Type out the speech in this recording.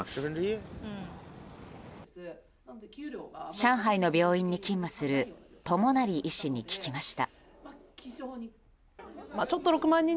上海の病院に勤務する友成医師に聞きました。